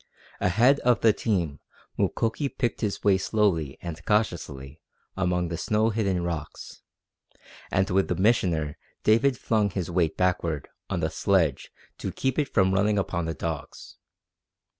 Ahead of the team Mukoki picked his way slowly and cautiously among the snow hidden rocks, and with the Missioner David flung his weight backward on the sledge to keep it from running upon the dogs.